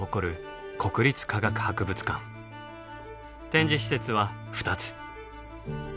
展示施設は２つ。